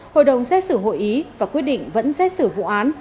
hội đồng xét xử hội ý và quyết định vẫn xét xử vụ án